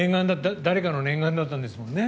誰かの念願だったんですもんね